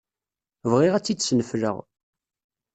Bɣiɣ ad tt-id-snefleɣ.